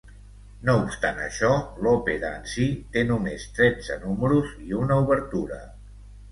No obstant això, l'òpera en si té només tretze números i una obertura.